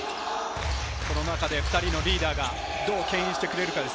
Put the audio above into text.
この中で２人のリーダーがどうけん引してくれるか。